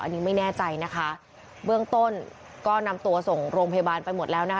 อันนี้ไม่แน่ใจนะคะเบื้องต้นก็นำตัวส่งโรงพยาบาลไปหมดแล้วนะคะ